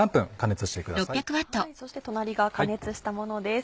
そして隣が加熱したものです。